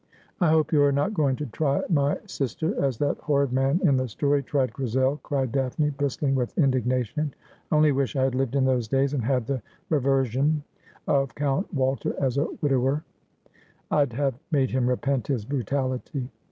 I liope you are not going to try my sister as that horrid man in the story tried Grisel,' cried Daphne, bristling with indigna tion. ' I only wish I had lived in those days, and had the rever sion of Count Walter, as a widower. I'd have made him repent his brutality.'